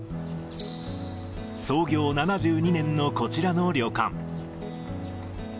創業７２年のこちらの旅館。